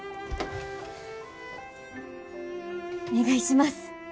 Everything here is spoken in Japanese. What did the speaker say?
お願いします。